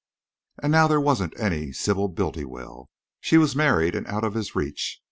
And now there wasn't any Sybil Bultiwell. She was married and out of his reach.